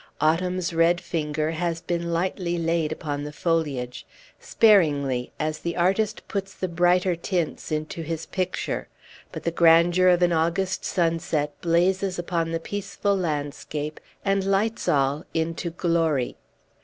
Autumn's red finger has been lightly laid upon the foliage sparingly, as the artist puts the brighter tints into his picture; but the grandeur of an August sunset blazes upon the peaceful landscape, and lights all into glory.